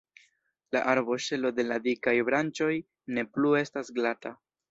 La arboŝelo de la dikaj branĉoj ne plu estas glata.